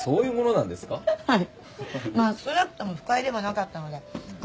はい。